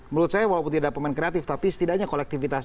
menurut saya walaupun tidak pemain kreatif tapi setidaknya kolektivitas